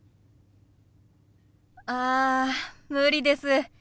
あ無理です。